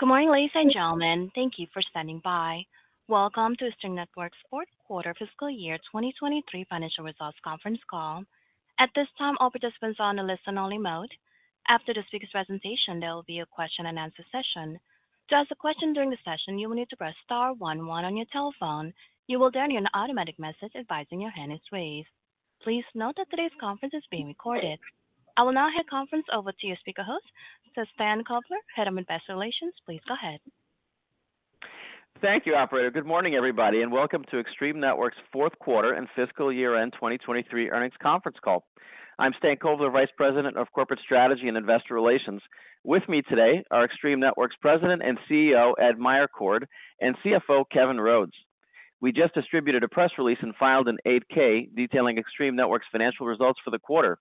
Good morning, ladies and gentlemen. Thank you for standing by. Welcome to Extreme Networks' fourth quarter fiscal year 2023 financial results conference call. At this time, all participants are on a listen-only mode. After this week's presentation, there will be a question-and-answer session. To ask a question during the session, you will need to press star 11 on your telephone. You will then hear an automatic message advising your hand is raised. Please note that today's conference is being recorded. I will now hand conference over to you, speaker host. Stan Kovler, Head of Investor Relations, please go ahead. Thank you, operator. Good morning, everybody, and welcome to Extreme Networks' fourth quarter and fiscal year-end 2023 earnings conference call. I'm Stan Kovler, Vice President of Corporate Strategy and Investor Relations. With me today are Extreme Networks President and CEO, Ed Meyercord, and CFO, Kevin Rhodes. We just distributed a press release and filed an Form 8-K detailing Extreme Networks' financial results for the quarter.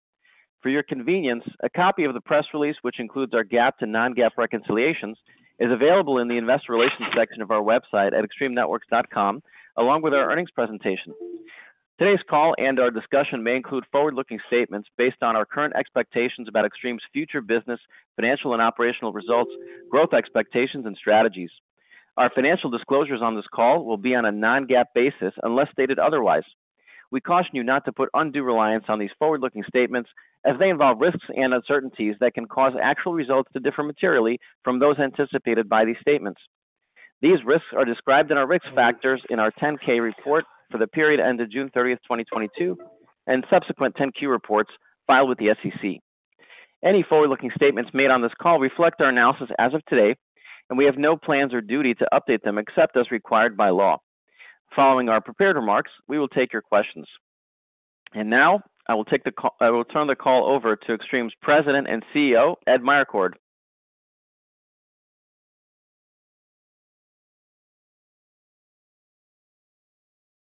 For your convenience, a copy of the press release, which includes our GAAP to non-GAAP reconciliations, is available in the investor relations section of our website at extremenetworks.com, along with our earnings presentation. Today's call and our discussion may include forward-looking statements based on our current expectations about Extreme's future business, financial and operational results, growth expectations, and strategies. Our financial disclosures on this call will be on a non-GAAP basis, unless stated otherwise. We caution you not to put undue reliance on these forward-looking statements as they involve risks and uncertainties that can cause actual results to differ materially from those anticipated by these statements. These risks are described in our risk factors in our Form 10-K report for the period ended June 30th, 2022, and subsequent Form 10-Q reports filed with the SEC. Any forward-looking statements made on this call reflect our analysis as of today, and we have no plans or duty to update them except as required by law. Following our prepared remarks, we will take your questions. Now I will turn the call over to Extreme's President and CEO, Ed Meyercord....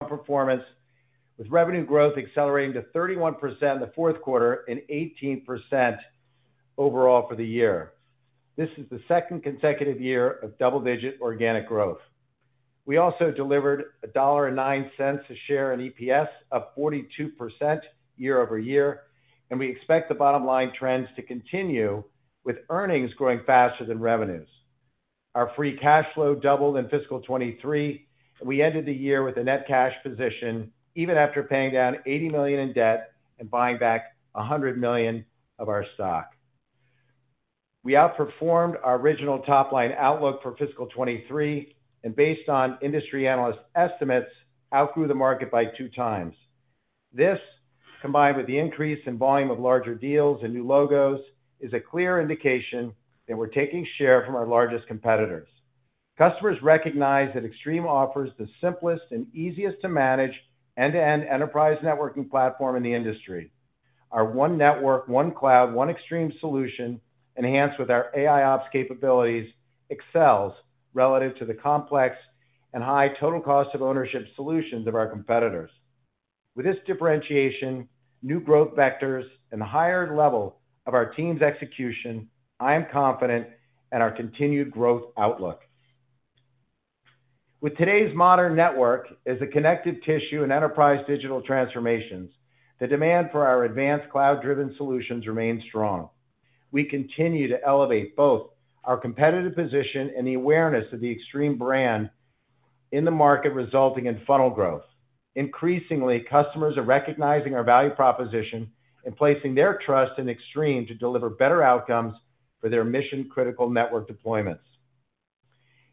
Performance, with revenue growth accelerating to 31% in the fourth quarter and 18% overall for the year. This is the second consecutive year of double-digit organic growth. We also delivered $1.09 a share in EPS, up 42% year-over-year, and we expect the bottom line trends to continue, with earnings growing faster than revenues. Our free cash flow doubled in fiscal 2023, and we ended the year with a net cash position, even after paying down $80 million in debt and buying back $100 million of our stock. We outperformed our original top-line outlook for fiscal 2023, and based on industry analyst estimates, outgrew the market by 2 times. This, combined with the increase in volume of larger deals and new logos, is a clear indication that we're taking share from our largest competitors. Customers recognize that Extreme offers the simplest and easiest to manage end-to-end enterprise networking platform in the industry. Our One Network, One Cloud, One Extreme solution, enhanced with our AIOps capabilities, excels relative to the complex and high total cost of ownership solutions of our competitors. With this differentiation, new growth vectors, and the higher level of our team's execution, I am confident at our continued growth outlook. With today's modern network as a connected tissue in enterprise digital transformations, the demand for our advanced cloud-driven solutions remains strong. We continue to elevate both our competitive position and the awareness of the Extreme brand in the market, resulting in funnel growth. Increasingly, customers are recognizing our value proposition and placing their trust in Extreme to deliver better outcomes for their mission-critical network deployments.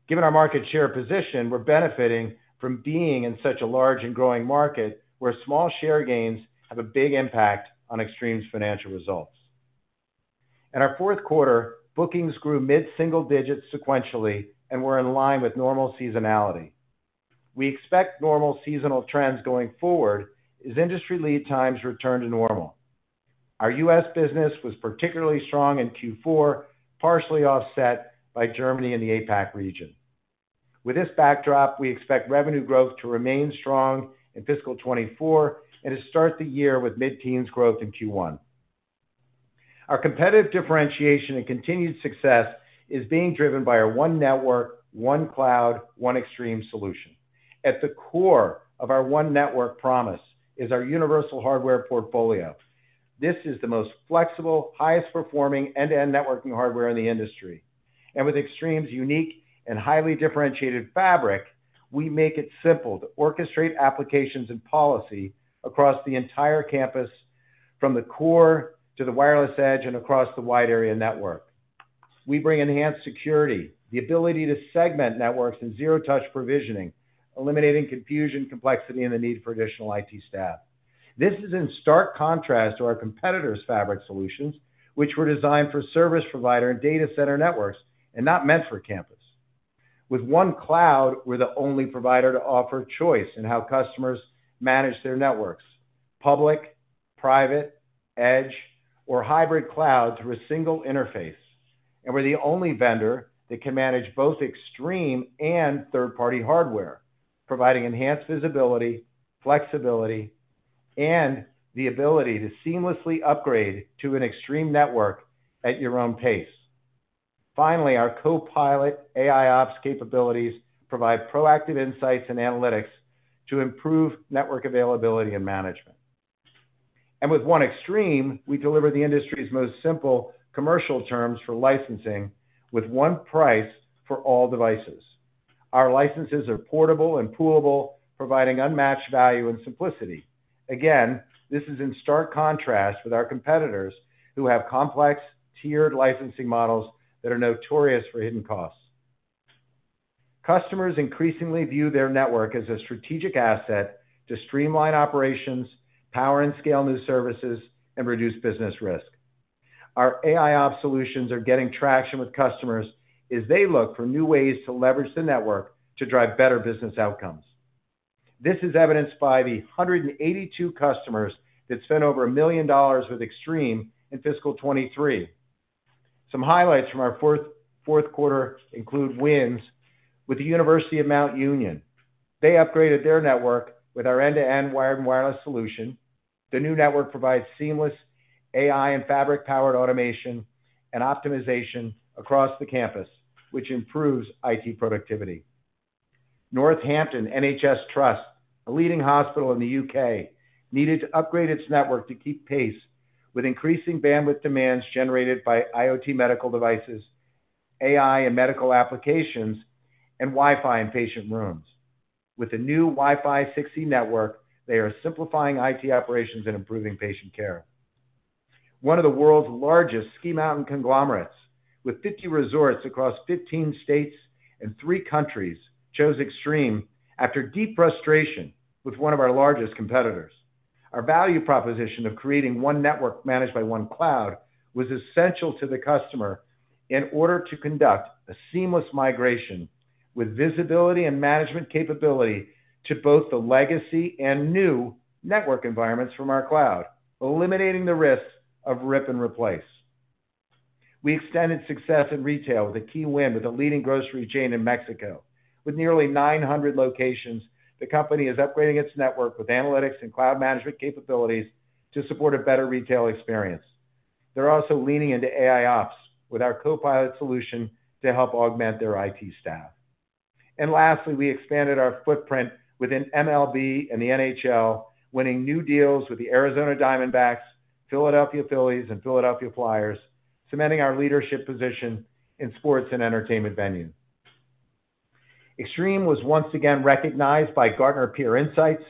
Given our market share position, we're benefiting from being in such a large and growing market, where small share gains have a big impact on Extreme's financial results. In our fourth quarter, bookings grew mid-single digits sequentially and were in line with normal seasonality. We expect normal seasonal trends going forward as industry lead times return to normal. Our U.S. business was particularly strong in Q4, partially offset by Germany and the APAC region. With this backdrop, we expect revenue growth to remain strong in fiscal 2024 and to start the year with mid-teens growth in Q1. Our competitive differentiation and continued success is being driven by our One Network, One Cloud, One Extreme solution. At the core of our one network promise is our universal hardware portfolio. This is the most flexible, highest performing, end-to-end networking hardware in the industry, and with Extreme's unique and highly differentiated fabric, we make it simple to orchestrate applications and policy across the entire campus, from the core to the wireless edge and across the wide area network. We bring enhanced security, the ability to segment networks and zero-touch provisioning, eliminating confusion, complexity, and the need for additional IT staff. This is in stark contrast to our competitors' fabric solutions, which were designed for service provider and data center networks and not meant for campus. With one cloud, we're the only provider to offer choice in how customers manage their networks: public, private, edge, or hybrid cloud through a single interface. We're the only vendor that can manage both Extreme and third-party hardware, providing enhanced visibility, flexibility, and the ability to seamlessly upgrade to an Extreme network at your own pace. Finally, our CoPilot AIOps capabilities provide proactive insights and analytics to improve network availability and management. With One Extreme, we deliver the industry's most simple commercial terms for licensing, with 1 price for all devices. Our licenses are portable and poolable, providing unmatched value and simplicity. This is in stark contrast with our competitors, who have complex, tiered licensing models that are notorious for hidden costs. Customers increasingly view their network as a strategic asset to streamline operations, power and scale new services, and reduce business risk. Our AIOps solutions are getting traction with customers as they look for new ways to leverage the network to drive better business outcomes. This is evidenced by the 182 customers that spent over $1 million with Extreme in fiscal 2023. Some highlights from our fourth, fourth quarter include wins with the University of Mount Union. They upgraded their network with our end-to-end wired and wireless solution. The new network provides seamless AI and fabric-powered automation and optimization across the campus, which improves IT productivity. Northampton NHS Trust, a leading hospital in the U.K., needed to upgrade its network to keep pace with increasing bandwidth demands generated by IoT medical devices, AI and medical applications, and Wi-Fi in patient rooms. With the new Wi-Fi 6 network, they are simplifying IT operations and improving patient care. One of the world's largest ski mountain conglomerates, with 50 resorts across 15 states and 3 countries, chose Extreme after deep frustration with one of our largest competitors. Our value proposition of creating one network managed by one cloud was essential to the customer in order to conduct a seamless migration, with visibility and management capability to both the legacy and new network environments from our cloud, eliminating the risk of rip and replace. We extended success in retail with a key win with a leading grocery chain in Mexico. With nearly 900 locations, the company is upgrading its network with analytics and cloud management capabilities to support a better retail experience. They're also leaning into AIOps with our CoPilot solution to help augment their IT staff. Lastly, we expanded our footprint within MLB and the NHL, winning new deals with the Arizona Diamondbacks, Philadelphia Phillies, and Philadelphia Flyers, cementing our leadership position in sports and entertainment venues. Extreme was once again recognized by Gartner Peer Insights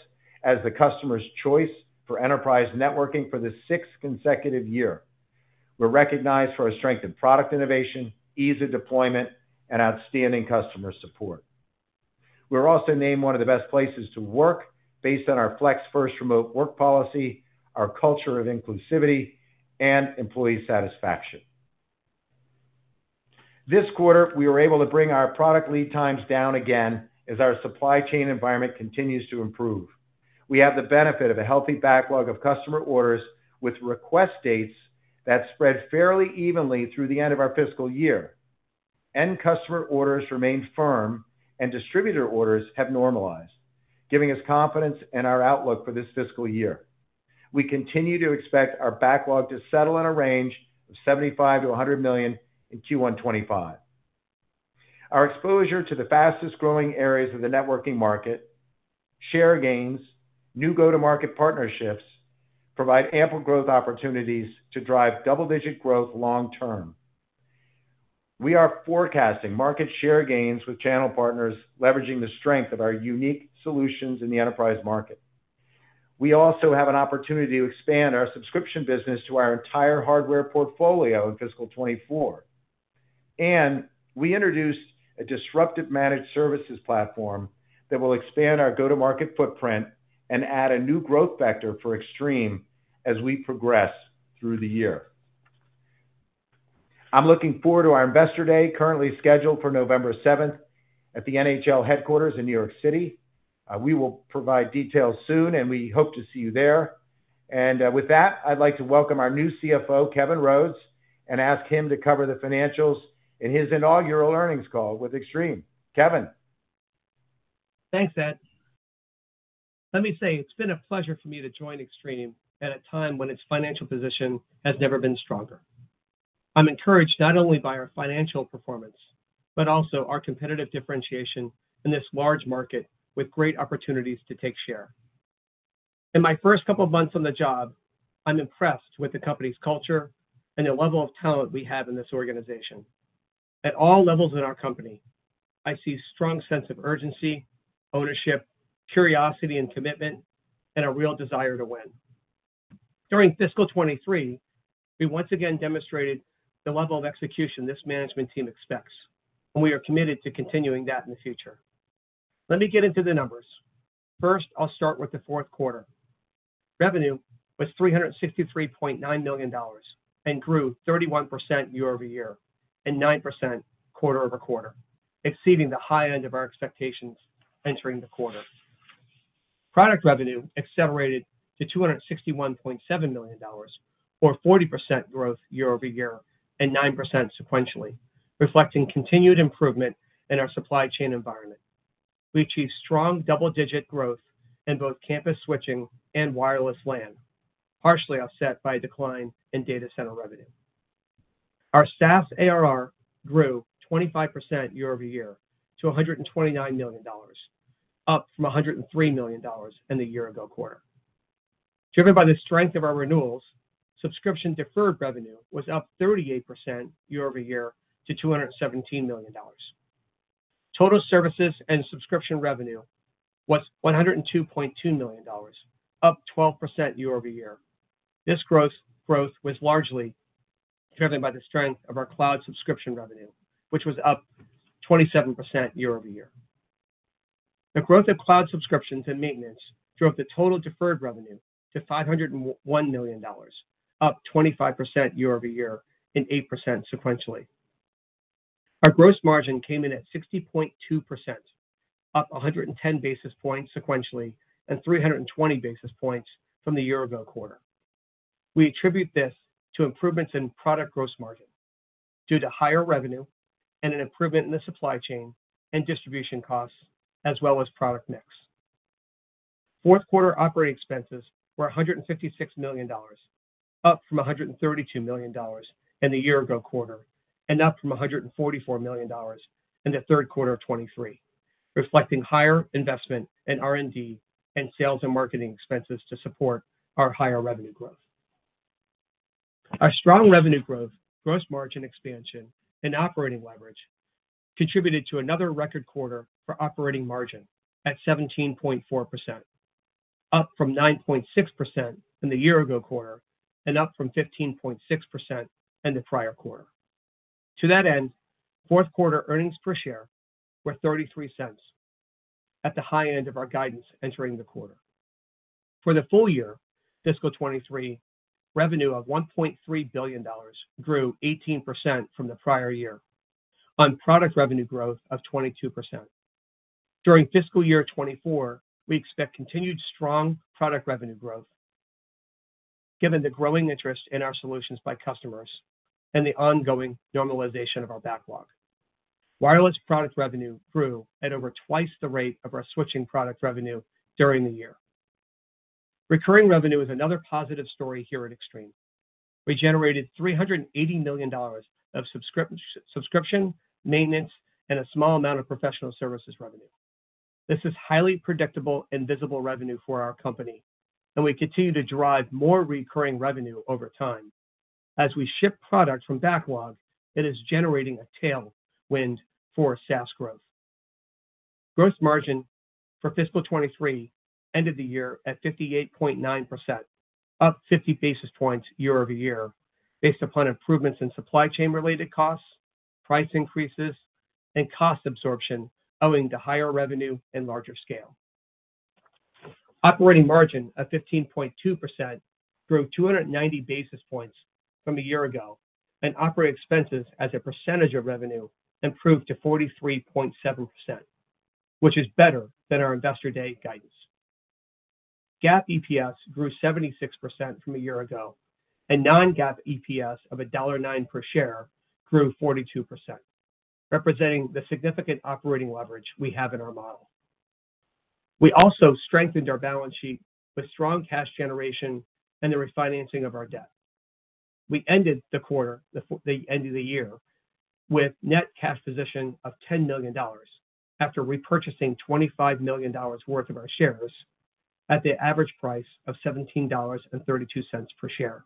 as the customer's choice for enterprise networking for the sixth consecutive year. We're recognized for our strength in product innovation, ease of deployment, and outstanding customer support. We're also named one of the best places to work based on our Flex First remote work policy, our culture of inclusivity, and employee satisfaction. This quarter, we were able to bring our product lead times down again as our supply chain environment continues to improve. We have the benefit of a healthy backlog of customer orders, with request dates that spread fairly evenly through the end of our fiscal year. End customer orders remained firm and distributor orders have normalized, giving us confidence in our outlook for this fiscal year. We continue to expect our backlog to settle in a range of $75 million-$100 million in Q1 2025. Our exposure to the fastest-growing areas of the networking market, share gains, new go-to-market partnerships, provide ample growth opportunities to drive double-digit growth long term. We are forecasting market share gains with channel partners, leveraging the strength of our unique solutions in the enterprise market. We also have an opportunity to expand our subscription business to our entire hardware portfolio in fiscal 2024. We introduced a disruptive managed services platform that will expand our go-to-market footprint and add a new growth vector for Extreme as we progress through the year. I'm looking forward to our Investor Day, currently scheduled for November seventh, at the NHL headquarters in New York City. We will provide details soon. We hope to see you there. With that, I'd like to welcome our new CFO, Kevin Rhodes, and ask him to cover the financials in his inaugural earnings call with Extreme. Kevin? Thanks, Ed. Let me say, it's been a pleasure for me to join Extreme at a time when its financial position has never been stronger. I'm encouraged not only by our financial performance, but also our competitive differentiation in this large market with great opportunities to take share. In my first couple of months on the job, I'm impressed with the company's culture and the level of talent we have in this organization. At all levels in our company, I see strong sense of urgency, ownership, curiosity and commitment, and a real desire to win. During fiscal 2023, we once again demonstrated the level of execution this management team expects, and we are committed to continuing that in the future. Let me get into the numbers. First, I'll start with the fourth quarter. Revenue was $363.9 million and grew 31% year-over-year, and 9% quarter-over-quarter, exceeding the high end of our expectations entering the quarter. Product revenue accelerated to $261.7 million, or 40% growth year-over-year, and 9% sequentially, reflecting continued improvement in our supply chain environment. We achieved strong double-digit growth in both campus switching and wireless LAN, partially offset by a decline in data center revenue. Our SaaS ARR grew 25% year-over-year to $129 million, up from $103 million in the year ago quarter. Driven by the strength of our renewals, subscription deferred revenue was up 38% year-over-year to $217 million. Total services and subscription revenue was $102.2 million, up 12% year-over-year. This growth was largely driven by the strength of our cloud subscription revenue, which was up 27% year-over-year. The growth of cloud subscriptions and maintenance drove the total deferred revenue to $501 million, up 25% year-over-year and 8% sequentially. Our gross margin came in at 60.2%, up 110 basis points sequentially, and 320 basis points from the year-ago quarter. We attribute this to improvements in product gross margin, due to higher revenue and an improvement in the supply chain and distribution costs, as well as product mix. Fourth quarter operating expenses were $156 million, up from $132 million in the year ago quarter, and up from $144 million in the third quarter of 2023, reflecting higher investment in R&D and sales and marketing expenses to support our higher revenue growth. Our strong revenue growth, gross margin expansion, and operating leverage contributed to another record quarter for operating margin at 17.4%, up from 9.6% in the year ago quarter and up from 15.6% in the prior quarter. To that end, fourth quarter earnings per share were $0.33 at the high end of our guidance entering the quarter. For the full year, fiscal 2023, revenue of $1.3 billion grew 18% from the prior year on product revenue growth of 22%. During fiscal year 2024, we expect continued strong product revenue growth, given the growing interest in our solutions by customers and the ongoing normalization of our backlog. Wireless product revenue grew at over twice the rate of our switching product revenue during the year. Recurring revenue is another positive story here at Extreme. We generated $380 million of subscription, maintenance, and a small amount of professional services revenue. This is highly predictable and visible revenue for our company, and we continue to drive more recurring revenue over time. As we ship products from backlog, it is generating a tailwind for SaaS growth. Gross margin for fiscal 2023 ended the year at 58.9%, up 50 basis points year-over-year, based upon improvements in supply chain related costs, price increases, and cost absorption, owing to higher revenue and larger scale. Operating margin of 15.2% grew 290 basis points from a year ago. Operating expenses as a percentage of revenue improved to 43.7%, which is better than our Investor Day guidance. GAAP EPS grew 76% from a year ago. Non-GAAP EPS of $1.09 per share grew 42%, representing the significant operating leverage we have in our model. We also strengthened our balance sheet with strong cash generation and the refinancing of our debt. We ended the quarter, the end of the year, with net cash position of $10 million, after repurchasing $25 million worth of our shares at the average price of $17.32 per share.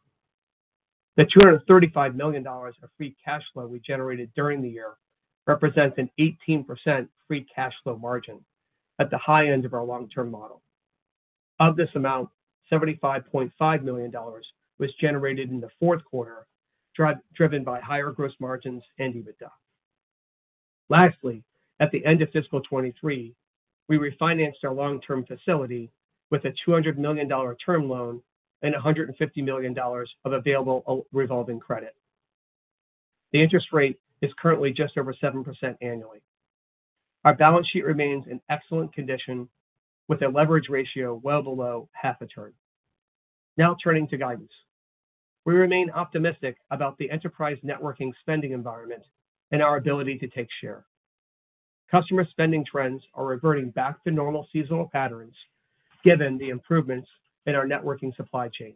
The $235 million of free cash flow we generated during the year represents an 18% free cash flow margin at the high end of our long-term model. Of this amount, $75.5 million was generated in the fourth quarter, driven by higher gross margins and EBITDA. Lastly, at the end of fiscal 2023, we refinanced our long-term facility with a $200 million term loan and $150 million of available revolving credit. The interest rate is currently just over 7% annually. Our balance sheet remains in excellent condition, with a leverage ratio well below 0.5 turn. Now, turning to guidance. We remain optimistic about the enterprise networking spending environment and our ability to take share. Customer spending trends are reverting back to normal seasonal patterns, given the improvements in our networking supply chain.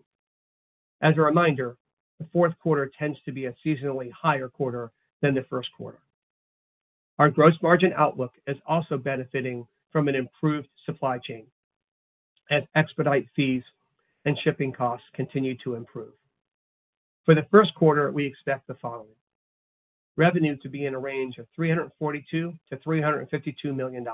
As a reminder, the fourth quarter tends to be a seasonally higher quarter than the first quarter. Our gross margin outlook is also benefiting from an improved supply chain, as expedite fees and shipping costs continue to improve. For the first quarter, we expect the following: Revenue to be in a range of $342 million to $352 million.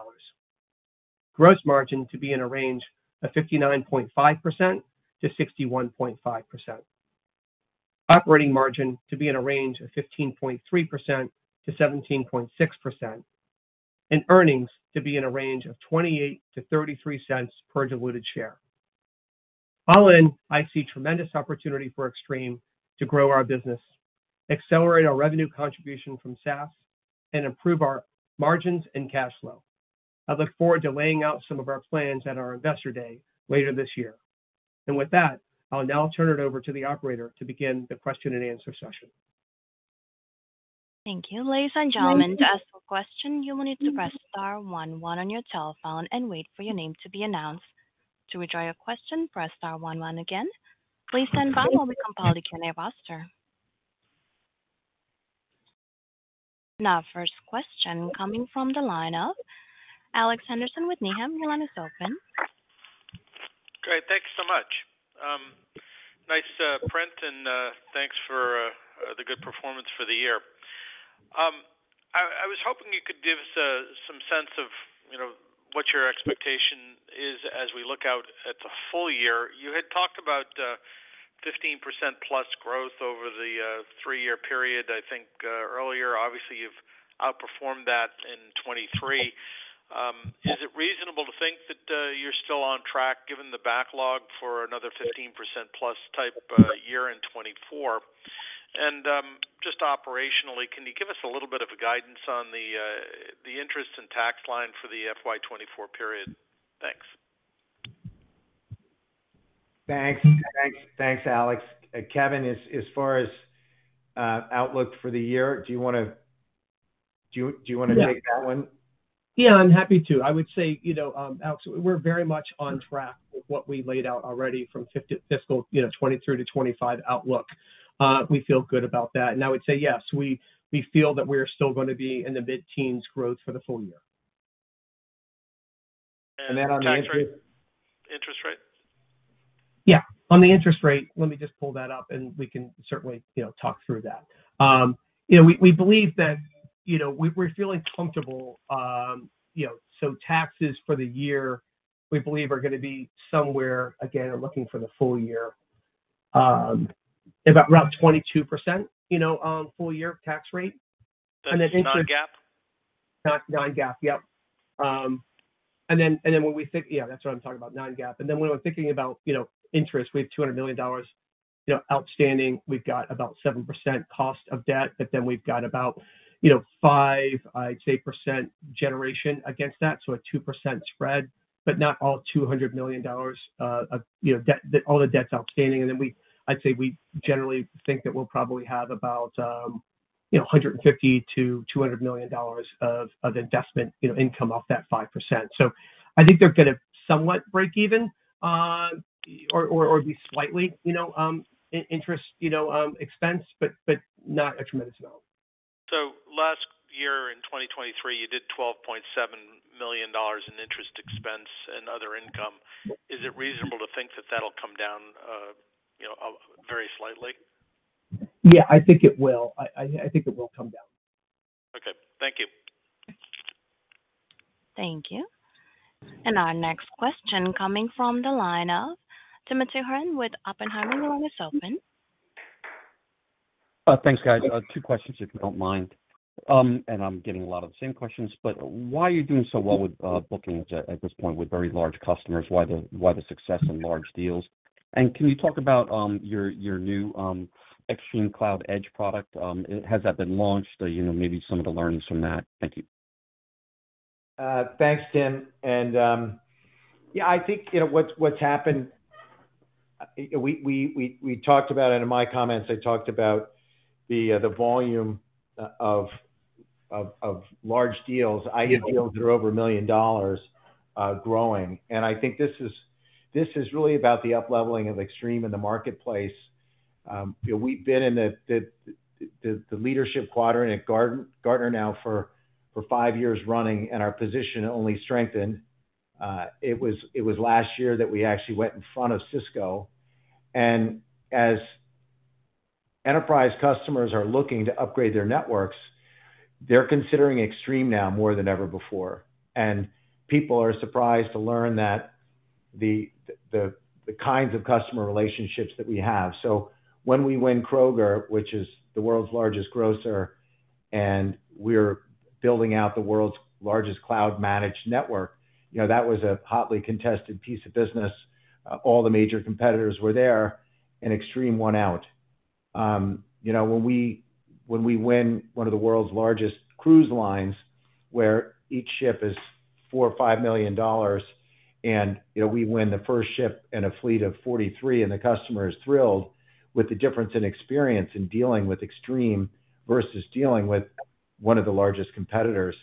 Gross margin to be in a range of 59.5% to 61.5%. Operating margin to be in a range of 15.3% to 17.6%, and earnings to be in a range of $0.28-$0.33 per diluted share. All in, I see tremendous opportunity for Extreme to grow our business, accelerate our revenue contribution from SaaS, and improve our margins and cash flow. I look forward to laying out some of our plans at our Investor Day later this year. With that, I'll now turn it over to the operator to begin the question and answer session. Thank you. Ladies and gentlemen, to ask a question, you will need to press star one one on your telephone and wait for your name to be announced. To withdraw your question, press star one one again. Please stand by while we compile the queue roster. First question coming from the line of Alex Henderson with Needham. Your line is open. Great. Thanks so much. Nice print, and thanks for the good performance for the year. I, I was hoping you could give us some sense of, you know, what your expectation is as we look out at the full year. You had talked about 15% plus growth over the 3-year period, I think, earlier. Obviously, you've outperformed that in 2023. Is it reasonable to think that you're still on track, given the backlog for another 15% plus type year in 2024? Just operationally, can you give us a little bit of a guidance on the interest and tax line for the FY 2024 period? Thanks. Thanks. Thanks. Thanks, Alex. Kevin, as, as far as, outlook for the year, do you want to take that one? Yeah, I'm happy to. I would say, you know, Alex, we're very much on track with what we laid out already from fiscal, you know, 2023 to 2025 outlook. We feel good about that. I would say, yes, we, we feel that we are still going to be in the mid-teens growth for the full year. Then on the interest rate? Interest rate. Yeah. On the interest rate, let me just pull that up, and we can certainly, you know, talk through that. You know, we, we believe that, you know, we're feeling comfortable, you know. Taxes for the year, we believe are going to be somewhere, again, we're looking for the full year, about around 22%, you know, on full year tax rate. That's non-GAAP? Non-GAAP, yep. Yeah, that's what I'm talking about, non-GAAP. When we're thinking about, you know, interest, we have $200 million, you know, outstanding. We've got about 7% cost of debt, we've got about, you know, 5-- I'd say 5%, generation against that, so a 2% spread, but not all $200 million, you know, debt, all the debts outstanding. I'd say we generally think that we'll probably have about, you know, $150 million-$200 million of, of investment, you know, income off that 5%. I think they're going to somewhat break even, or be slightly, you know, in interest, you know, expense, not a tremendous amount. Last year, in 2023, you did $12.7 million in interest expense and other income. Is it reasonable to think that that'll come down, you know, very slightly? Yeah, I think it will. I, I, I think it will come down. Okay. Thank you. Thank you. Our next question coming from the line of Timothy Horan with Oppenheimer, the line is open. Thanks, guys. 2 questions, if you don't mind. I'm getting a lot of the same questions, but why are you doing so well with bookings at this point with very large customers? Why the, why the success in large deals? Can you talk about your, your new ExtremeCloud Edge product? Has that been launched? You know, maybe some of the learnings from that. Thank you. Thanks, Tim, and, yeah, I think, you know, what's happened, we talked about it in my comments. I talked about the volume of large deals. IT deals that are over $1 million, growing. I think this is, this is really about the upleveling of Extreme in the marketplace. You know, we've been in the leadership quadrant at Gartner now for five years running, and our position only strengthened. It was last year that we actually went in front of Cisco, and as enterprise customers are looking to upgrade their networks, they're considering Extreme now more than ever before. People are surprised to learn that the kinds of customer relationships that we have. When we win Kroger, which is the world's largest grocer, and we're building out the world's largest cloud-managed network, you know, that was a hotly contested piece of business. All the major competitors were there, and Extreme won out. You know, when we, when we win one of the world's largest cruise lines, where each ship is 4 -- $5 million dollars, and, you know, we win the first ship in a fleet of 43, and the customer is thrilled with the difference in experience in dealing with Extreme versus dealing with one of the largest competitors,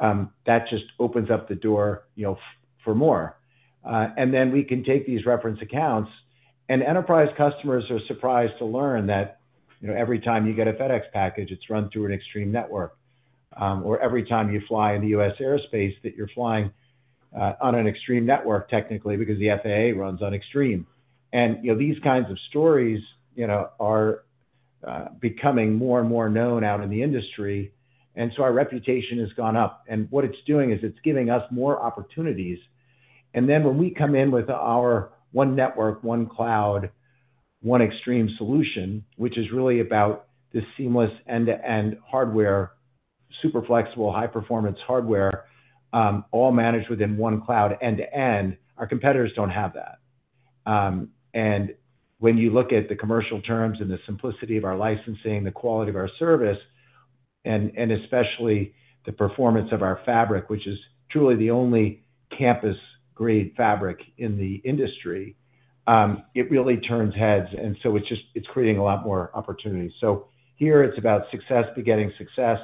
that just opens up the door, you know, for more. Then we can take these reference accounts, and enterprise customers are surprised to learn that, you know, every time you get a FedEx package, it's run through an Extreme network. Every time you fly in the U.S. airspace, that you're flying on an Extreme network, technically, because the FAA runs on Extreme. You know, these kinds of stories, you know, are becoming more and more known out in the industry, and so our reputation has gone up. What it's doing is it's giving us more opportunities. When we come in with our One Network, One Cloud, One Extreme solution, which is really about this seamless end-to-end hardware, super flexible, high-performance hardware, all managed within one cloud, end-to-end, our competitors don't have that. When you look at the commercial terms and the simplicity of our licensing, the quality of our service, and especially the performance of our fabric, which is truly the only campus-grade fabric in the industry.... It really turns heads, and it's just creating a lot more opportunity. Here it's about success begetting success.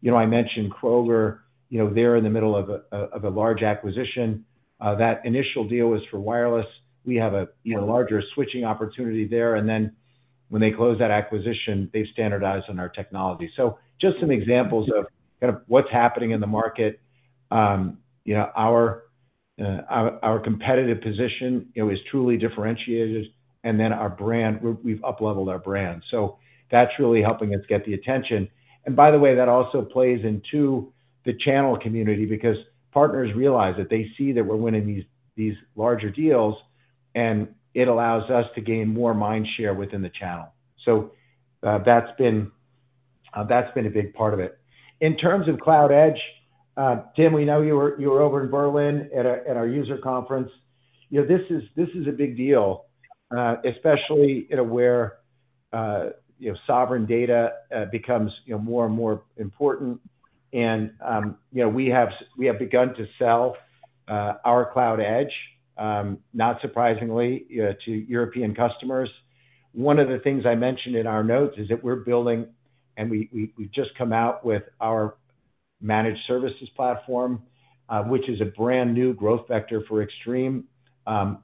You know, I mentioned Kroger, you know, they're in the middle of a large acquisition. That initial deal was for wireless. We have a, you know, larger switching opportunity there, and then when they close that acquisition, they standardize on our technology. Just some examples of kind of what's happening in the market. You know, our competitive position, it was truly differentiated, and then our brand, we've upleveled our brand. That's really helping us get the attention. By the way, that also plays into the channel community because partners realize that they see that we're winning these larger deals, and it allows us to gain more mind share within the channel. That's been, that's been a big part of it. In terms of Cloud Edge, Tim, we know you were, you were over in Berlin at our user conference. You know, this is, this is a big deal, especially in where, you know, sovereign data, becomes, you know, more and more important. You know, we have we have begun to sell, our Cloud Edge, not surprisingly, to European customers. One of the things I mentioned in our notes is that we're building, and we, we, we've just come out with our managed services platform, which is a brand new growth vector for Extreme.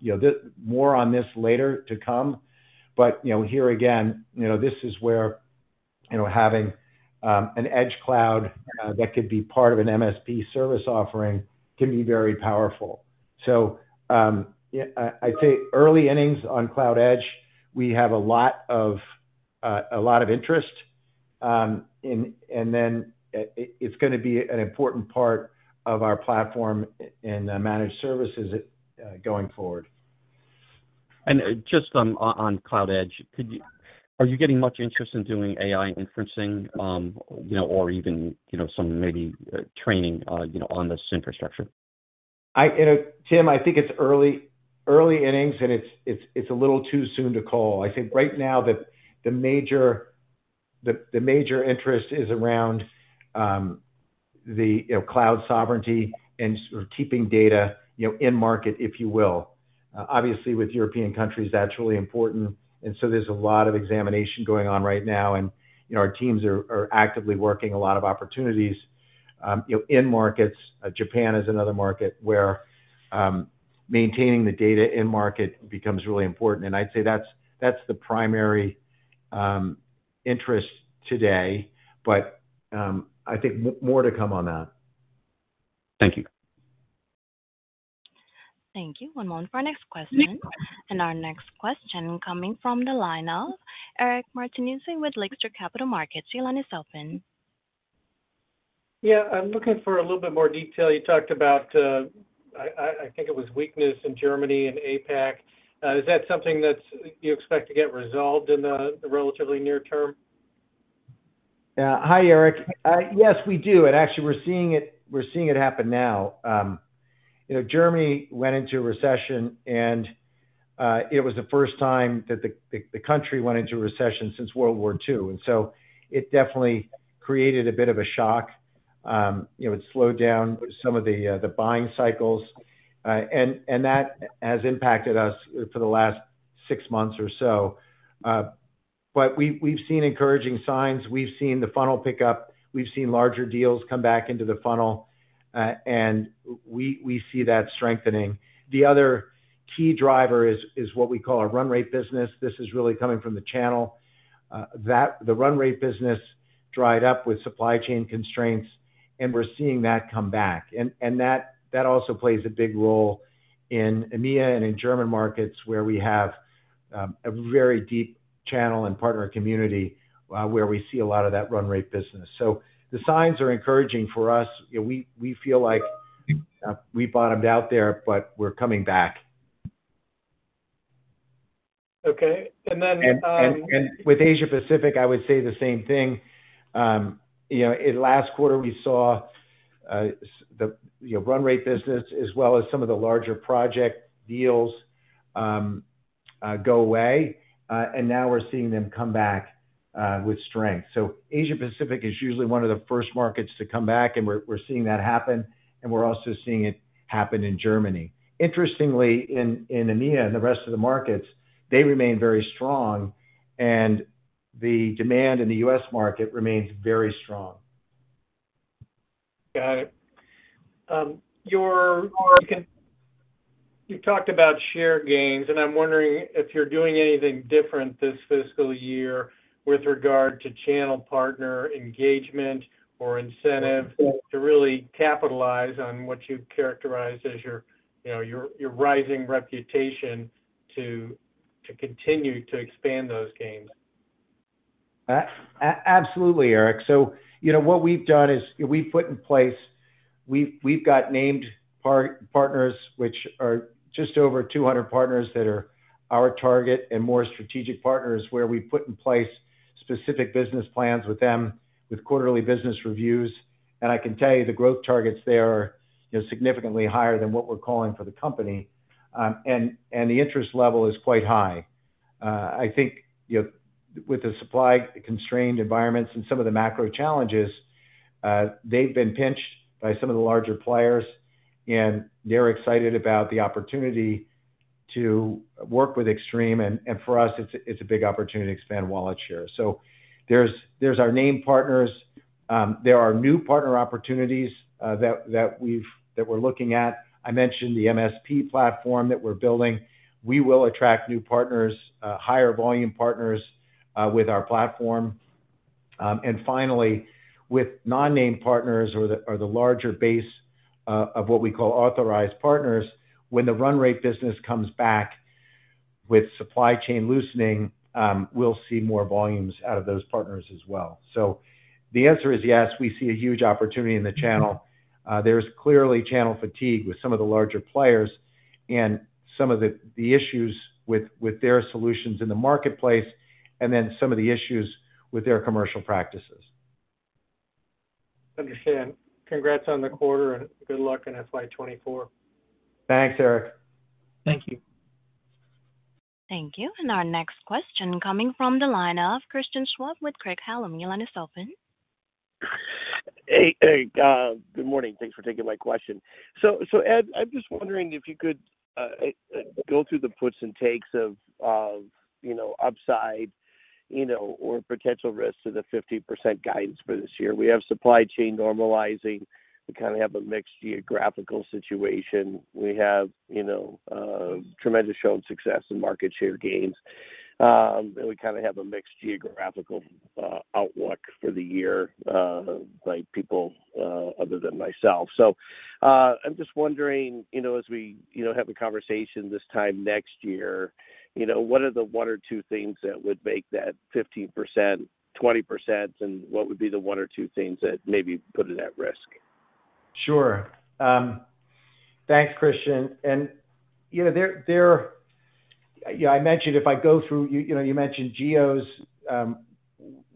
You know, more on this later to come, but, you know, here again, you know, this is where, you know, having an edge cloud that could be part of an MSP service offering can be very powerful. Yeah, I, I'd say early innings on Cloud Edge, we have a lot of a lot of interest, and, and then, it's gonna be an important part of our platform in the managed services going forward. Just, on Cloud Edge, are you getting much interest in doing AI inferencing, you know, or even, you know, some maybe, training, you know, on this infrastructure? I, you know, Tim, I think it's early, early innings, and it's, it's, it's a little too soon to call. I think right now, the, the major, the, the major interest is around the, you know, cloud sovereignty and sort of keeping data, you know, in market, if you will. Obviously, with European countries, that's really important. There's a lot of examination going on right now, and, you know, our teams are, are actively working a lot of opportunities, you know, in markets. Japan is another market where maintaining the data in market becomes really important. I'd say that's, that's the primary interest today. I think more to come on that. Thank you. Thank you. One moment for our next question. Our next question coming from the line of Eric Martinuzzi with Lake Street Capital Markets. Your line is open. Yeah, I'm looking for a little bit more detail. You talked about, I, I, I think it was weakness in Germany and APAC. Is that something that's, you expect to get resolved in the relatively near term? Yeah. Hi, Eric. Yes, we do, and actually, we're seeing it, we're seeing it happen now. You know, Germany went into a recession, and it was the first time that the country went into recession since World War II, and so it definitely created a bit of a shock. You know, it slowed down some of the buying cycles, and that has impacted us for the last six months or so. We've seen encouraging signs. We've seen the funnel pick up, we've seen larger deals come back into the funnel, and we see that strengthening. The other key driver is what we call our run rate business. This is really coming from the channel. The run rate business dried up with supply chain constraints, and we're seeing that come back. That, that also plays a big role in EMEA and in German markets, where we have a very deep channel and partner community, where we see a lot of that run rate business. The signs are encouraging for us. You know, we feel like we bottomed out there, but we're coming back. Okay. And then, With Asia Pacific, I would say the same thing. You know, in last quarter, we saw the, you know, run rate business as well as some of the larger project deals go away, and now we're seeing them come back with strength. Asia Pacific is usually one of the first markets to come back, and we're, we're seeing that happen, and we're also seeing it happen in Germany. Interestingly, in EMEA and the rest of the markets, they remain very strong, and the demand in the U.S. market remains very strong. Got it. You talked about share gains, and I'm wondering if you're doing anything different this fiscal year with regard to channel partner engagement or incentive to really capitalize on what you've characterized as your, you know, your, your rising reputation to, to continue to expand those gains? Absolutely, Eric. You know, what we've done is We've, we've got named partners, which are just over 200 partners that are our target, and more strategic partners, where we put in place specific business plans with them with quarterly business reviews. I can tell you the growth targets there are, you know, significantly higher than what we're calling for the company. The interest level is quite high. I think, you know, with the supply-constrained environments and some of the macro challenges, they've been pinched by some of the larger players, and they're excited about the opportunity to work with Extreme. For us, it's, it's a big opportunity to expand wallet share. There's, there's our name partners, there are new partner opportunities that we're looking at. I mentioned the MSP platform that we're building. We will attract new partners, higher volume partners, with our platform. Finally, with non-name partners or the, or the larger base of what we call authorized partners, when the run rate business comes back with supply chain loosening, we'll see more volumes out of those partners as well. The answer is yes, we see a huge opportunity in the channel. There's clearly channel fatigue with some of the larger players and some of the, the issues with, with their solutions in the marketplace, and then some of the issues with their commercial practices. Understand. Congrats on the quarter, and good luck in FY 2024. Thanks, Eric. Thank you. Thank you. Our next question coming from the line of Christian Schwab with Craig-Hallum. Your line is open. Hey, hey, good morning. Thanks for taking my question. Ed, I'm just wondering if you could go through the puts and takes of, of, you know, upside, you know, or potential risks to the 15% guidance for this year. We have supply chain normalizing. We kinda have a mixed geographical situation. We have, you know, tremendous shown success in market share gains. We kinda have a mixed geographical outlook for the year by people other than myself. I'm just wondering, you know, as we, you know, have a conversation this time next year, you know, what are the one or two things that would make that 15%, 20%, and what would be the one or two things that maybe put it at risk? Sure. Thanks, Christian, and, you know, you mentioned geos.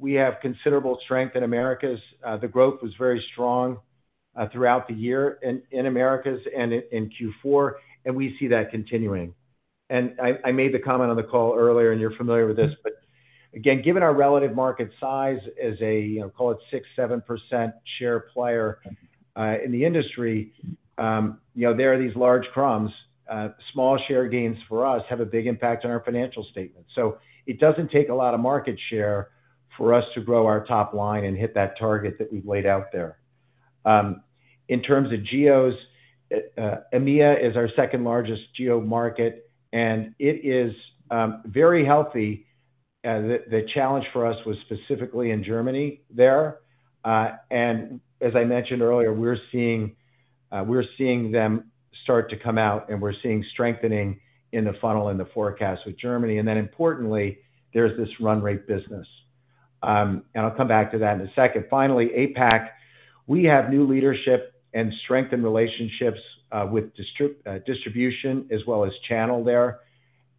We have considerable strength in Americas. The growth was very strong throughout the year in Americas and in Q4, we see that continuing. I, I made the comment on the call earlier, and you're familiar with this, but again, given our relative market size as a, you know, call it 6%, 7% share player in the industry, you know, there are these large crumbs. Small share gains for us have a big impact on our financial statement. It doesn't take a lot of market share for us to grow our top line and hit that target that we've laid out there. In terms of geos, EMEA is our second-largest geo market, and it is very healthy. The, the challenge for us was specifically in Germany there. As I mentioned earlier, we're seeing, we're seeing them start to come out, and we're seeing strengthening in the funnel and the forecast with Germany. Importantly, there's this run rate business. I'll come back to that in a second. Finally, APAC, we have new leadership and strengthened relationships, with distribution as well as channel there.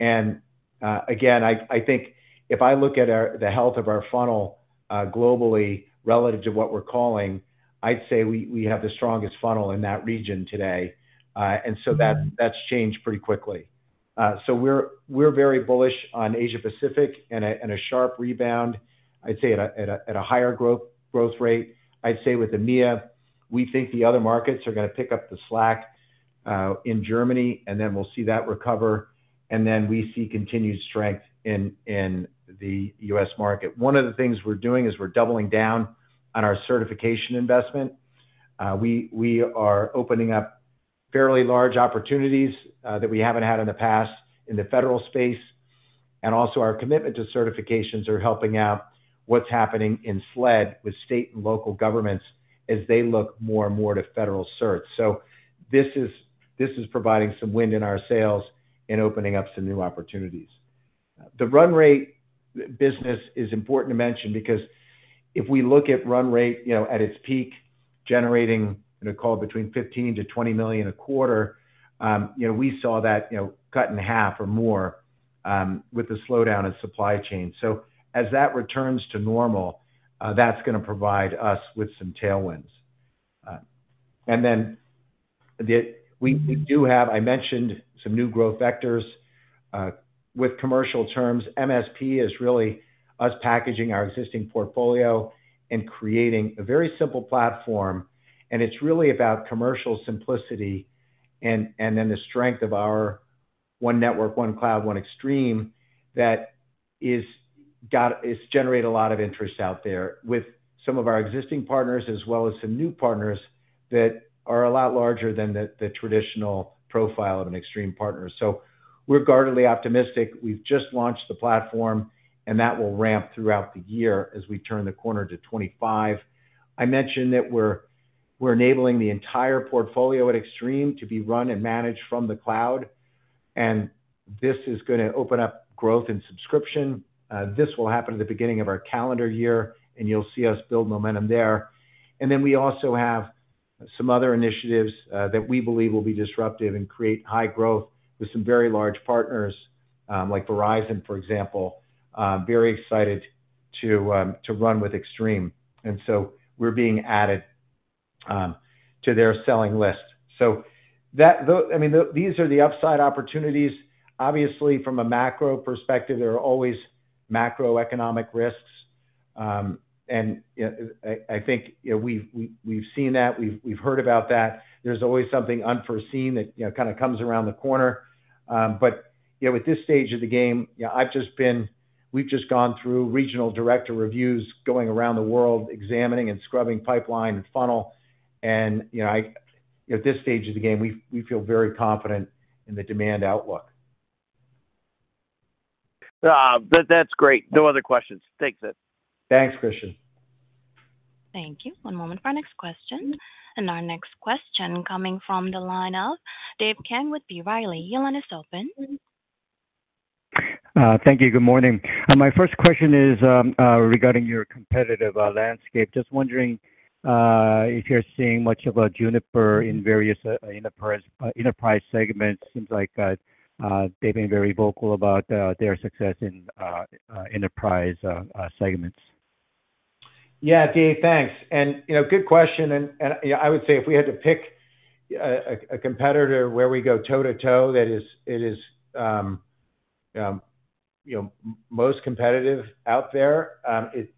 Again, I, I think if I look at our, the health of our funnel, globally relative to what we're calling, I'd say we, we have the strongest funnel in that region today. So that. Mm-hmm. that's changed pretty quickly. So we're, we're very bullish on Asia Pacific and a, and a sharp rebound, I'd say at a, at a, at a higher growth, growth rate. I'd say with EMEA, we think the other markets are gonna pick up the slack, in Germany, and then we'll see that recover, and then we see continued strength in, in the U.S. market. One of the things we're doing is we're doubling down on our certification investment. We, we are opening up fairly large opportunities, that we haven't had in the past in the federal space. Also, our commitment to certifications are helping out what's happening in SLED, with state and local governments, as they look more and more to federal certs. This is, this is providing some wind in our sails and opening up some new opportunities. The run rate business is important to mention because if we look at run rate, you know, at its peak, generating in a call between $15 million-$20 million a quarter, you know, we saw that, you know, cut in half or more with the slowdown of supply chain. As that returns to normal, that's gonna provide us with some tailwinds. Mm-hmm. We, we do have, I mentioned, some new growth vectors, with commercial terms. MSP is really us packaging our existing portfolio and creating a very simple platform, and it's really about commercial simplicity, and, and then the strength of our One Network, One Cloud, One Extreme, that is got-- it's generated a lot of interest out there with some of our existing partners, as well as some new partners that are a lot larger than the, the traditional profile of an Extreme partner. We're guardedly optimistic. We've just launched the platform, and that will ramp throughout the year as we turn the corner to 2025. I mentioned that we're, we're enabling the entire portfolio at Extreme to be run and managed from the cloud, and this is gonna open up growth and subscription. This will happen at the beginning of our calendar year, and you'll see us build momentum there. We also have some other initiatives that we believe will be disruptive and create high growth with some very large partners, like Verizon, for example, very excited to run with Extreme. We're being added to their selling list. I mean, these are the upside opportunities. Obviously, from a macro perspective, there are always macroeconomic risks. You know, I, I think, you know, we've, we've, we've seen that, we've, we've heard about that. There's always something unforeseen that, you know, kind of comes around the corner. you know, at this stage of the game, you know, we've just gone through regional director reviews, going around the world, examining and scrubbing pipeline and funnel. you know, at this stage of the game, we, we feel very confident in the demand outlook. That's great. No other questions. Thanks, Ed. Thanks, Christian. Thank you. One moment for our next question. Our next question coming from the line of Dave Kang with B. Riley. Your line is open. Thank you. Good morning. My first question is regarding your competitive landscape. Just wondering if you're seeing much about Juniper in various enterprise enterprise segments. Seems like they've been very vocal about their success in enterprise segments Yeah, Dave, thanks. You know, good question, and, and, you know, I would say, if we had to pick a competitor where we go toe-to-toe, that is, it is, you know, most competitive out there,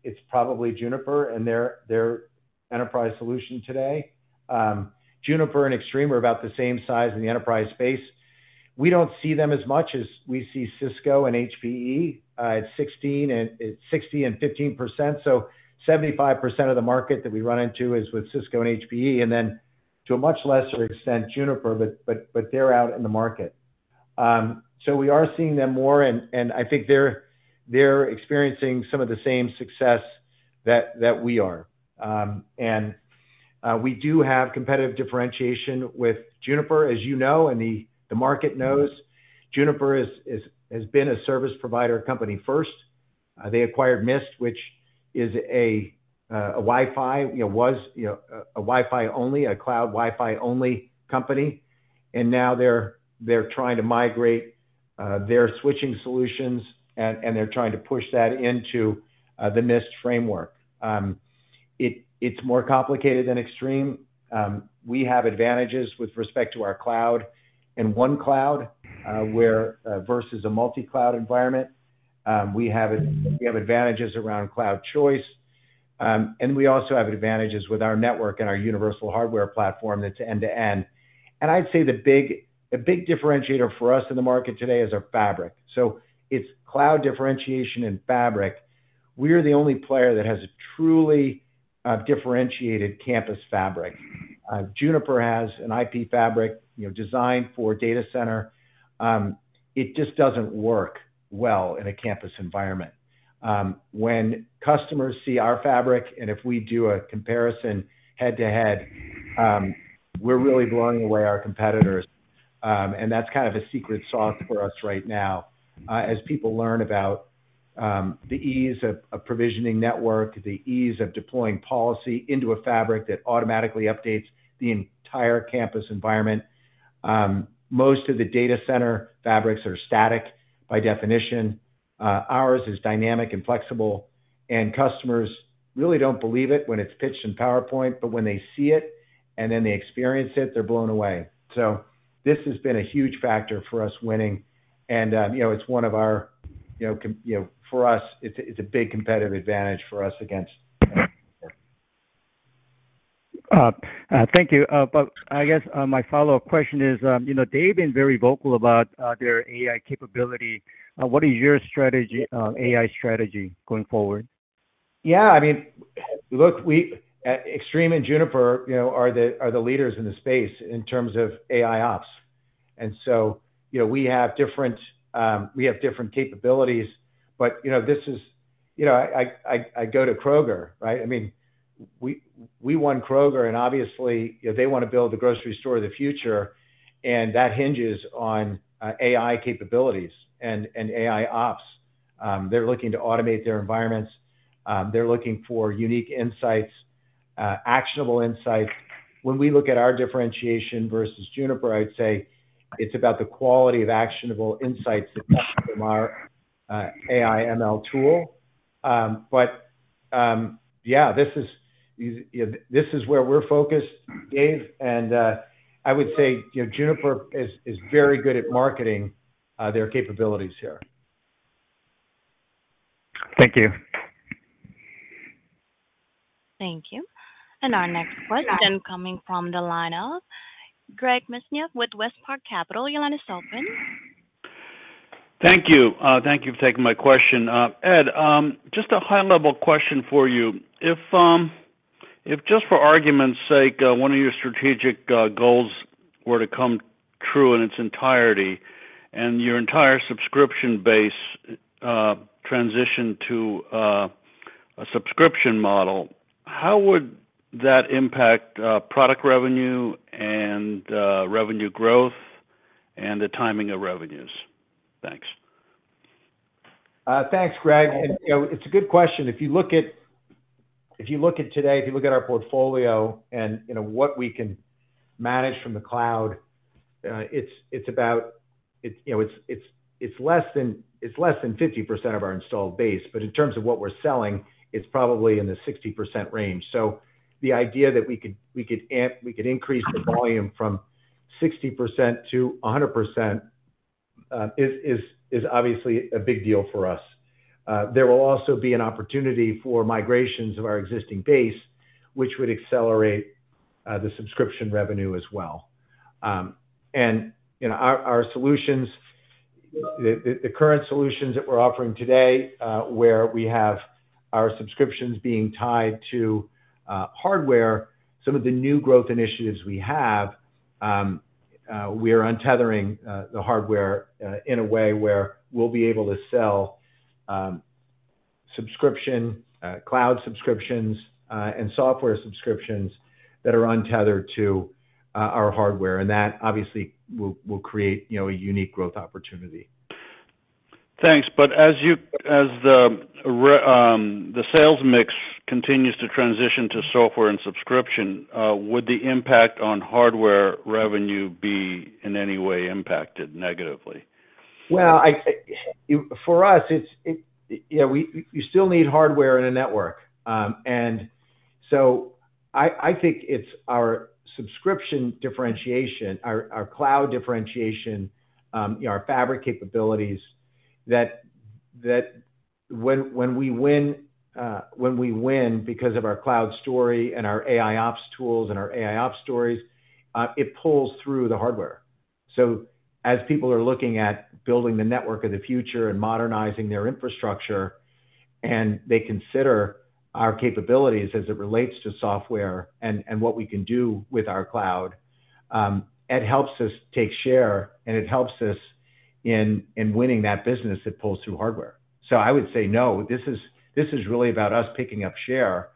it's probably Juniper and their enterprise solution today. Juniper and Extreme are about the same size in the enterprise space. We don't see them as much as we see Cisco and HPE at 16 and at 60 and 15%. 75% of the market that we run into is with Cisco and HPE, and then to a much lesser extent, Juniper, but, but, but they're out in the market. We are seeing them more, and, and I think they're, they're experiencing some of the same success that, that we are. We do have competitive differentiation with Juniper, as you know, and the market knows. Juniper has been a service provider company first. They acquired Mist, which is a Wi-Fi, was a Wi-Fi only, a cloud Wi-Fi only company. Now they're trying to migrate their switching solutions, and they're trying to push that into the Mist framework. It's more complicated than Extreme. We have advantages with respect to our cloud, and 1 cloud, where versus a multi-cloud environment. We have advantages around cloud choice, and we also have advantages with our network and our universal hardware platform that's end-to-end. I'd say the big differentiator for us in the market today is our fabric. It's cloud differentiation and fabric. We are the only player that has a truly differentiated campus fabric. Juniper Networks has an IP fabric, you know, designed for data center. It just doesn't work well in a campus environment. When customers see our fabric, and if we do a comparison head-to-head, we're really blowing away our competitors, and that's kind of a secret sauce for us right now. As people learn about the ease of provisioning network, the ease of deploying policy into a fabric that automatically updates the entire campus environment. Most of the data center fabrics are static by definition. Ours is dynamic and flexible, and customers really don't believe it when it's pitched in PowerPoint, but when they see it, and then they experience it, they're blown away. This has been a huge factor for us winning, and, you know, it's one of our, for us, it's a, it's a big competitive advantage for us against Juniper. Thank you. I guess, my follow-up question is, you know, they've been very vocal about their AI capability. What is your strategy, AI strategy going forward? Yeah, I mean, look, we, Extreme and Juniper, you know, are the, are the leaders in the space in terms of AIOps. You know, we have different, we have different capabilities, but, you know, this is... You know, I, I, I, I go to Kroger, right? I mean, we, we won Kroger, and obviously, you know, they want to build the grocery store of the future, and that hinges on AI capabilities and AIOps. They're looking to automate their environments. They're looking for unique insights, actionable insights. When we look at our differentiation versus Juniper, I'd say it's about the quality of actionable insights that come from our AI ML tool. Yeah, this is, you know, this is where we're focused, Dave, and, I would say, you know, Juniper is, is very good at marketing, their capabilities here. Thank you. Thank you. Our next question coming from the line of Greg Mesniaeff with Westpark Capital. Your line is open. Thank you. Thank you for taking my question. Ed, just a high-level question for you. If, if just for argument's sake, one of your strategic goals were to come true in its entirety, and your entire subscription base transitioned to a subscription model, how would that impact product revenue and revenue growth and the timing of revenues? Thanks. Thanks, Greg. You know, it's a good question. If you look at, if you look at today, if you look at our portfolio and, you know, what we can manage from the cloud, it's, it's about, it, you know, it's, it's, it's less than, it's less than 50% of our installed base, but in terms of what we're selling, it's probably in the 60% range. The idea that we could, we could increase the volume from 60% to 100%, is, is, is obviously a big deal for us. There will also be an opportunity for migrations of our existing base, which would accelerate, the subscription revenue as well. You know, our, our solutions, the, the, the current solutions that we're offering today, where we have our subscriptions being tied to hardware, some of the new growth initiatives we have, we are untethering the hardware in a way where we'll be able to sell subscription, cloud subscriptions, and software subscriptions that are untethered to our hardware, and that obviously will, will create, you know, a unique growth opportunity. Thanks. As the sales mix continues to transition to software and subscription, would the impact on hardware revenue be in any way impacted negatively? Well, I, for us, you still need hardware and a network. I, I think it's our subscription differentiation, our, our cloud differentiation, you know, our fabric capabilities, that, that when, when we win, when we win because of our cloud story and our AIOps tools and our AIOps stories, it pulls through the hardware. As people are looking at building the network of the future and modernizing their infrastructure, and they consider our capabilities as it relates to software and, and what we can do with our cloud, it helps us take share, and it helps us in, in winning that business that pulls through hardware. I would say, no, this is, this is really about us picking up share.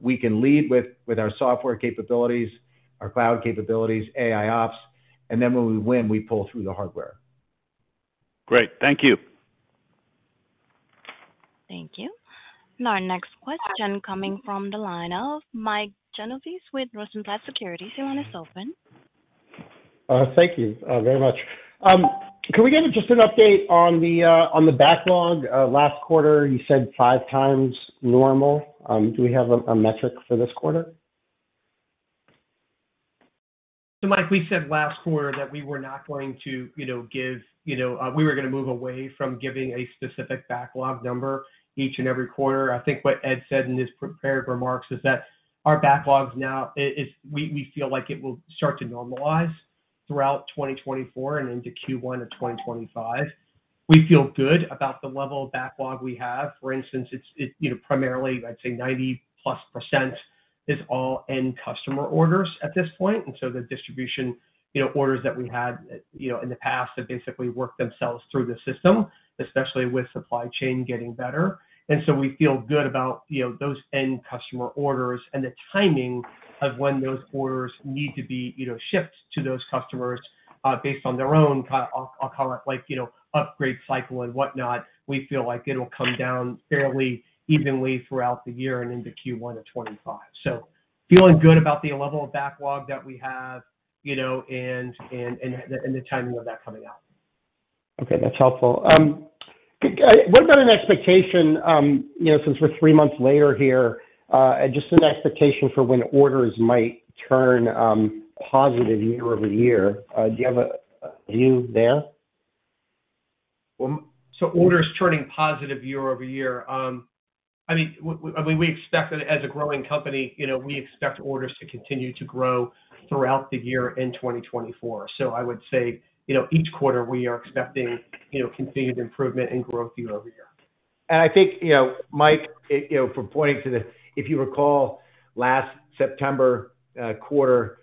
We can lead with, with our software capabilities, our cloud capabilities, AIOps, and then when we win, we pull through the hardware. Great. Thank you. Thank you. Our next question coming from the line of Mike Genovese with Rosenblatt Securities. Your line is open. Thank you very much. Can we get just an update on the backlog? Last quarter, you said 5 times normal. Do we have a metric for this quarter? Mike, we said last quarter that we were not going to, you know, give, you know, we were gonna move away from giving a specific backlog number each and every quarter. I think what Ed said in his prepared remarks is that our backlogs now, we feel like it will start to normalize throughout 2024 and into Q1 of 2025. We feel good about the level of backlog we have. For instance, it's, you know, primarily, I'd say 90+% is all end customer orders at this point, and so the distribution, you know, orders that we had, you know, in the past have basically worked themselves through the system, especially with supply chain getting better. We feel good about, you know, those end customer orders and the timing of when those orders need to be, you know, shipped to those customers, based on their own I'll call it, like, you know, upgrade cycle and whatnot. We feel like it'll come down fairly evenly throughout the year and into Q1 of 2025. Feeling good about the level of backlog that we have, you know, and, and, and the, and the timing of that coming out. Okay, that's helpful. What about an expectation, you know, since we're 3 months later here, just an expectation for when orders might turn positive year-over-year? Do you have a view there? Well, orders turning positive year-over-year. I mean, I mean, we expect that as a growing company, you know, we expect orders to continue to grow throughout the year in 2024. I would say, you know, each quarter we are expecting, you know, continued improvement in growth year-over-year. I think, you know, Mike, it, you know, from pointing to the... if you recall last September quarter,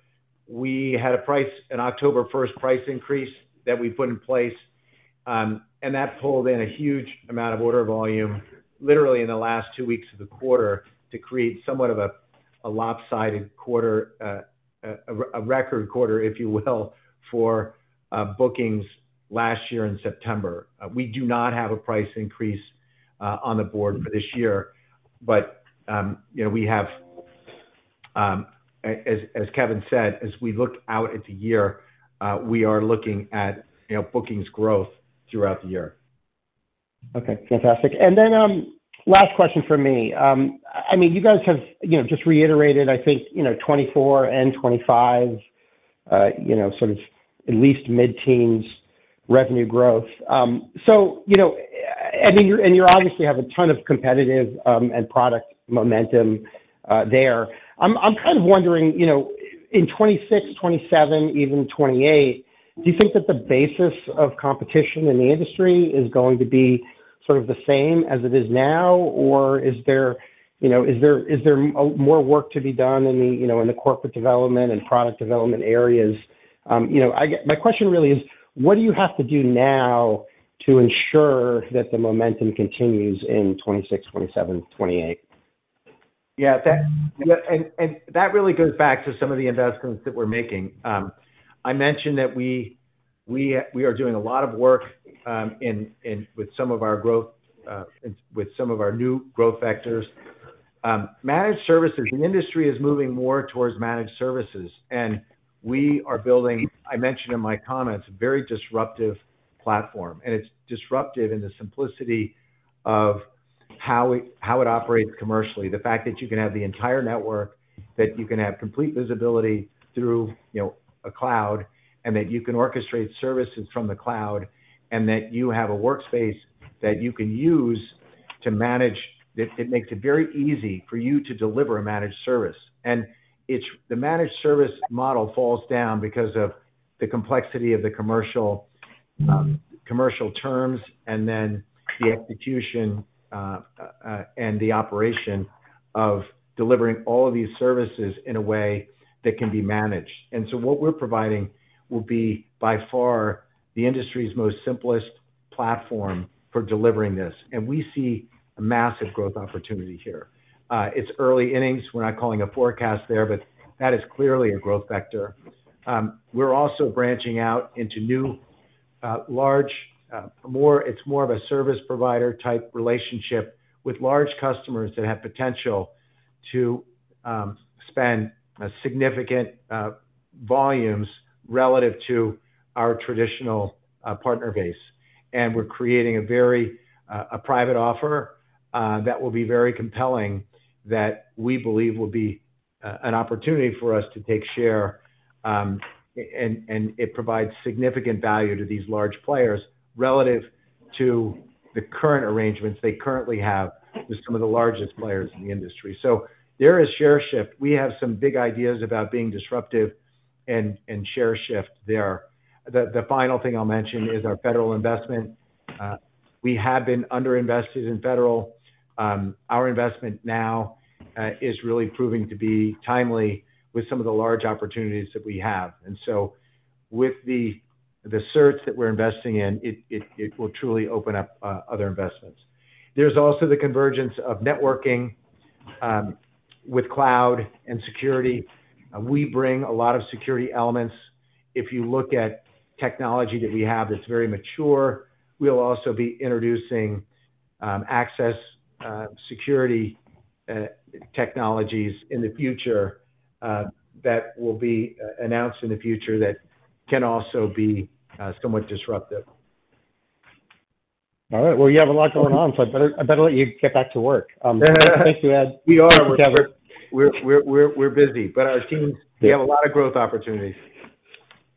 we had a price, an October 1st price increase that we put in place and that pulled in a huge amount of order volume, literally in the last two weeks of the quarter, to create somewhat of a lopsided quarter, a record quarter, if you will, for bookings last year in September. We do not have a price increase on the board for this year, you know, we have, as Kevin said, as we look out at the year, we are looking at, you know, bookings growth throughout the year. Okay, fantastic. Then, last question from me. I mean, you guys have, you know, just reiterated, I think, you know, 2024 and 2025, you know, sort of at least mid-teens revenue growth. You know, I mean, and you obviously have a ton of competitive and product momentum there. I'm kind of wondering, you know, in 2026, 2027, even 2028, do you think that the basis of competition in the industry is going to be sort of the same as it is now? Or is there, you know, is there, is there more work to be done in the, you know, in the corporate development and product development areas? You know, my question really is: what do you have to do now to ensure that the momentum continues in 2026, 2027, 2028? Yeah, that yeah, and that really goes back to some of the investments that we're making. I mentioned that we are doing a lot of work in with some of our growth and with some of our new growth vectors. Managed services, the industry is moving more towards managed services, and we are building, I mentioned in my comments, very disruptive platform. It's disruptive in the simplicity of how it operates commercially. The fact that you can have the entire network, that you can have complete visibility through, you know, a cloud, and that you can orchestrate services from the cloud, and that you have a workspace that you can use to manage, it makes it very easy for you to deliver a managed service. It's-- the managed service model falls down because of the complexity of the commercial, commercial terms, and then the execution and the operation of delivering all of these services in a way that can be managed. What we're providing will be, by far, the industry's most simplest platform for delivering this, and we see a massive growth opportunity here. It's early innings. We're not calling a forecast there, but that is clearly a growth vector. We're also branching out into new, large, more-- It's more of a service provider type relationship with large customers that have potential to spend a significant volumes relative to our traditional partner base. We're creating a very, a private offer, that will be very compelling, that we believe will be an opportunity for us to take share, and it provides significant value to these large players, relative to the current arrangements they currently have with some of the largest players in the industry. There is share shift. We have some big ideas about being disruptive and, and share shift there. The final thing I'll mention is our Federal investment. We have been underinvested in Federal. Our investment now is really proving to be timely with some of the large opportunities that we have. With the, the certs that we're investing in, it, it, it will truly open up other investments. There's also the convergence of networking with cloud and security. We bring a lot of security elements. If you look at technology that we have that's very mature, we'll also be introducing access, security, technologies in the future, that will be announced in the future that can also be somewhat disruptive. All right, well, you have a lot going on, so I better, I better let you get back to work. Thanks, Ed. We are. We're busy, but our teams, we have a lot of growth opportunities.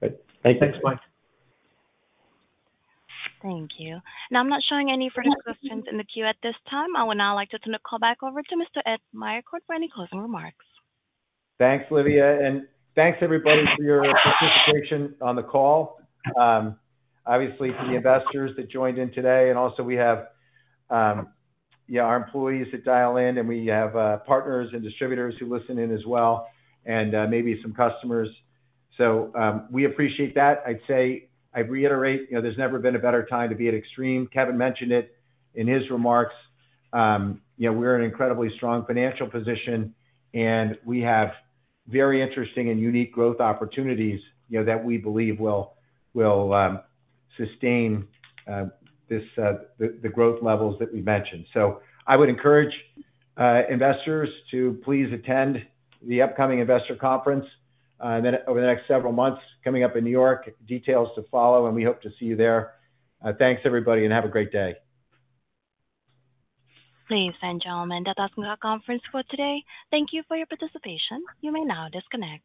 Good. Thanks, Mike. Thank you. Now, I'm not showing any further questions in the queue at this time. I would now like to turn the call back over to Mr. Ed Meyercord for any closing remarks. Thanks, Livia, and thanks, everybody, for your participation on the call. Obviously, to the investors that joined in today, and also we have, yeah, our employees that dial in, and we have partners and distributors who listen in as well, and maybe some customers. So we appreciate that. I'd say, I'd reiterate, you know, there's never been a better time to be at Extreme. Kevin mentioned it in his remarks. You know, we're in an incredibly strong financial position, and we have very interesting and unique growth opportunities, you know, that we believe will sustain this the growth levels that we mentioned. I would encourage investors to please attend the upcoming investor conference, and then over the next several months, coming up in New York. Details to follow, and we hope to see you there. Thanks, everybody, and have a great day. Ladies and gentlemen, that does end our conference call today. Thank you for your participation. You may now disconnect.